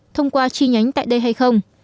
thông qua chi nhánh tại đây hay không